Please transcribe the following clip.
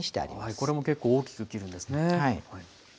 これも結構大きく切るんですね。